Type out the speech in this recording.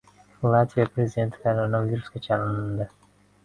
Latviya Prezidenti koronavirusga chalindi